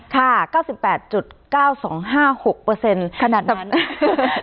ค่ะ๙๘๙๒๕๖ขนาดนั้น